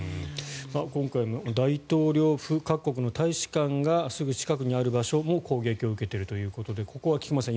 今回の大統領府各国の大使館がすぐ近くにある場所も攻撃を受けているということでここは菊間さん